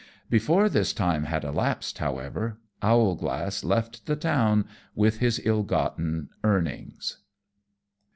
Before this time had elapsed, however, Owlglass left the town with his illgotten earnings.